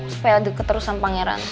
supaya deket terus sama pangeran